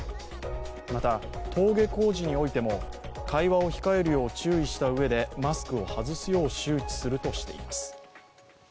また、登下校時においても会話を控えるよう注意したうえでマスクを外すよう周知するとしています。